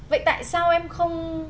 vậy tại sao em không